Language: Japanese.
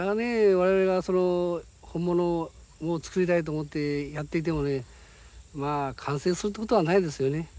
我々がその本物を作りたいと思ってやっていてもねまあ完成するってことはないですよね。